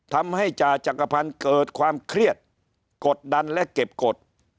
จ่าจักรพันธ์เกิดความเครียดกดดันและเก็บกฎ